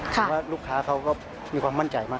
ผมว่าลูกค้าเขาก็มีความมั่นใจมาก